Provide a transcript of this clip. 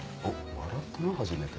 笑ったな初めて。